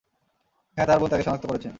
হ্যাঁ তার বোন তাকে শনাক্ত করেছেন।